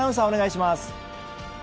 お願いします。